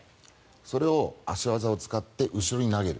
それを足技を使って後ろに投げる。